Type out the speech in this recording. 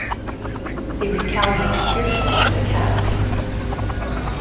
They retaliate fiercely when attacked.